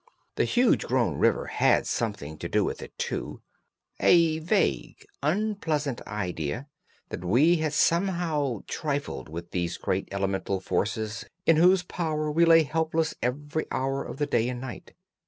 The huge grown river had something to do with it too—a vague, unpleasant idea that we had somehow trifled with these great elemental forces in whose power we lay helpless every hour of the day and night.